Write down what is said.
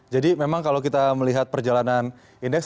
jadi memang kalau kita melihat perjalanan indeks